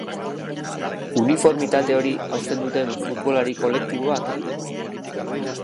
Uniformitate hori hausten duten futbolari kolektiboak?